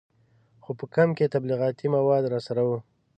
خو په کمپ کې تبلیغاتي مواد راسره وو.